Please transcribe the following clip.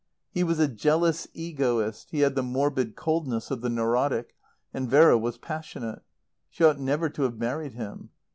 He was a jealous egoist; he had the morbid coldness of the neurotic, and Vera was passionate. She ought never to have married him.